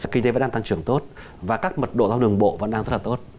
kinh tế vẫn đang tăng trưởng tốt và các mật độ ra đường bộ vẫn đang rất là tốt